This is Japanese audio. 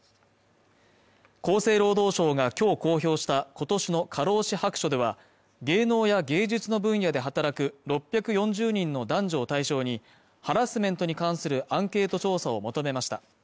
厚生労働省がきょう公表したことしの「過労死白書」では芸能や芸術の分野で働く６４０人の男女を対象にハラスメントに関するアンケート調査を求めました